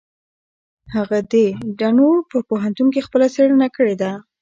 هغه د ډنور په پوهنتون کې خپله څېړنه کړې ده.